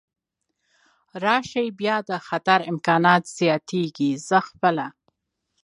راشي، بیا د خطر امکانات زیاتېږي، زه خپله.